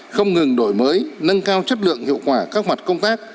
không ngừng đổi mới nâng cao chất lượng hiệu quả các mặt công tác